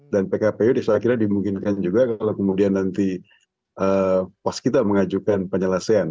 dan pkpu disalah kira dimungkinkan juga kalau kemudian nanti waskita mengajukan penyelesaian